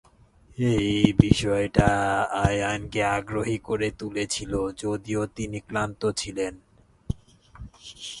এই বিষয়টা আয়ানকে আগ্রহী করে তুলেছিল, যদিও তিনি ক্লান্ত ছিলেন।